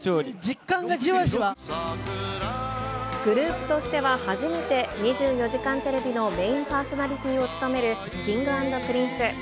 グループとしては初めて、２４時間テレビのメインパーソナリティーを務めるＫｉｎｇ＆Ｐｒｉｎｃｅ。